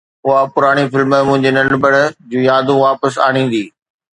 اها پراڻي فلم منهنجي ننڍپڻ جون يادون واپس آڻيندي